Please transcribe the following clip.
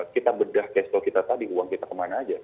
kita bedah cash flow kita tadi uang kita kemana aja